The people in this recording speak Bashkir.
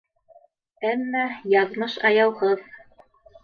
Әммә яҙмыш аяуһыҙ